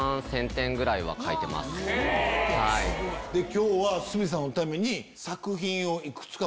今日は鷲見さんのために。